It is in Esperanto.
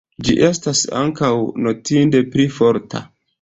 Ĝi estas ankaŭ notinde pli forta.